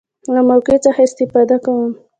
له موقع څخه استفاده کوم.